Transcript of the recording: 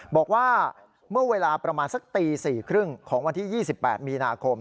บอกว่าเมื่อเวลาประมาณสักตี๔๓๐ของวันที่๒๘มีนาคม